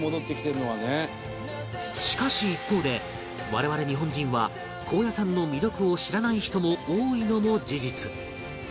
しかし一方で我々日本人は高野山の魅力を知らない人も多いのも事実